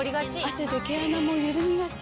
汗で毛穴もゆるみがち。